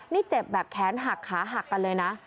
นี่เจ็บแบบแขนหักขาหักกันเลยนะ